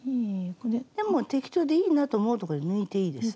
でも適当でいいなあと思うところで抜いていいです。